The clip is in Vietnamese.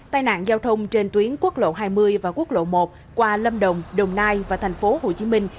tai nạn giao thông trên tuyến quốc lộ hai mươi và quốc lộ một qua lâm đồng đồng nai và thành phố hồ chí minh